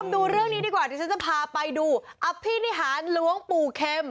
ดูเรื่องนี้ดีกว่าดิฉันจะพาไปดูอภินิหารหลวงปู่เข็ม